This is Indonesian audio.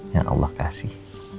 yang allah kasih